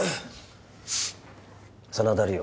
真田梨央